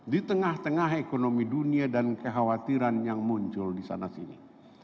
di tengah tengah ekonomi dunia dan kekhawatiran yang muncul di sana sini